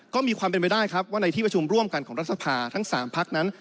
ก็มีความเป็นไปได้ครับว่าในที่ประชุมร่วมกันของรัฐสภาทั้ง๓พักนั้น